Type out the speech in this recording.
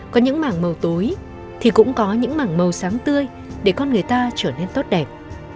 có những mảng màu tối thì cũng có những mảng màu sáng tươi để con người ta trở nên tốt đẹp